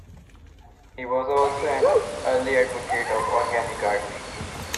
He was also an early advocate of organic gardening.